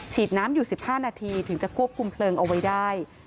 ฉีดน้ำอยู่๑๕นาทีถึงจะควบคุมเพลิงเอาไว้ได้